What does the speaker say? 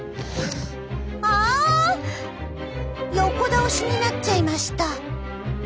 あ横倒しになっちゃいました。